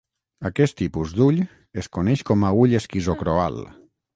Aquest tipus d'ull es coneix com a ull esquizocroal.